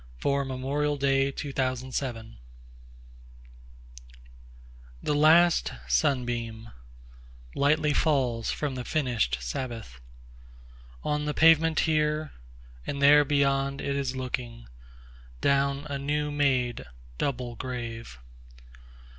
Dirge for Two Veterans 1THE LAST sunbeamLightly falls from the finish'd Sabbath, On the pavement here—and there beyond, it is looking, Down a new made double grave.